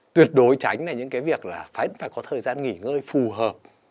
tuyệt đối tránh được những cái việc là phải có thời gian nghỉ ngơi phù hợp